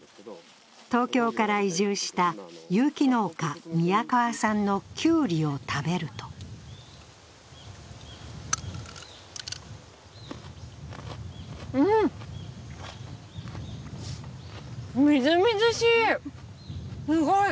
東京から移住した有機農家・宮川さんのきゅうりを食べるとみずみずしい！